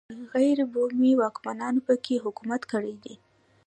غیر بومي واکمنانو په کې حکومت کړی دی